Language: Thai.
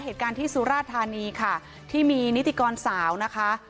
เหตุการณ์ที่สุราธานีค่ะที่มีนิติกรสาวนะคะ